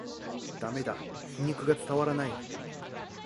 ダメだ、皮肉が伝わらない